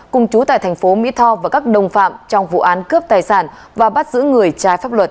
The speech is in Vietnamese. cùng chú tại thành phố mỹ tho và các đồng phạm trong vụ án cướp tài sản và bắt giữ người trái pháp luật